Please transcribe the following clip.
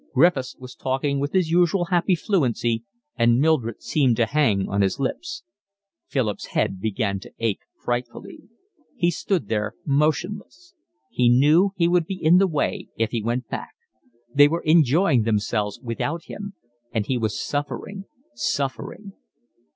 Griffiths was talking with his usual happy fluency and Mildred seemed to hang on his lips. Philip's head began to ache frightfully. He stood there motionless. He knew he would be in the way if he went back. They were enjoying themselves without him, and he was suffering, suffering.